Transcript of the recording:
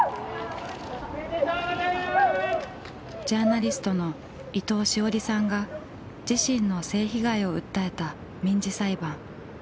ジャーナリストの伊藤詩織さんが自身の性被害を訴えた民事裁判。